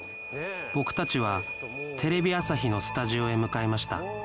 僕たちはテレビ朝日のスタジオへ向かいました